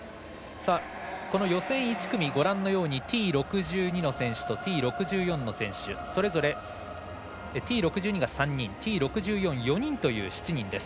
予選１組、Ｔ６２の選手とＴ６４の選手それぞれ、Ｔ６２が３人Ｔ６４、４人という７人です。